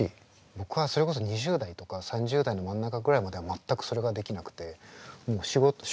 僕はそれこそ２０代とか３０代の真ん中ぐらいまでは全くそれができなくてもう仕事しかなかったから。